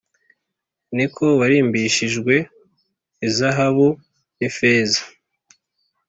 ni ko warimbishishijwe izahabu n’ifeza